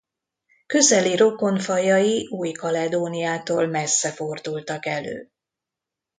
Közeli rokon fajai Új-Kaledóniától messze fordultak elő.